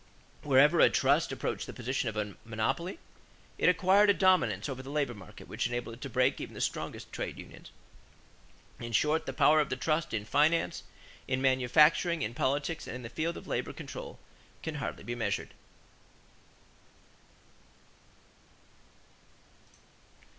Wherever a trust approached the position of a monopoly, it acquired a dominion over the labor market which enabled it to break even the strongest trade unions. In short, the power of the trust in finance, in manufacturing, in politics, and in the field of labor control can hardly be measured.